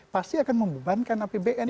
pasti akan membebankan apbn